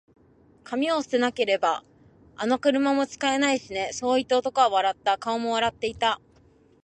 「紙を捨てなけれれば、あの車も使えないしね」そう言って、男は笑った。顔も笑っていた。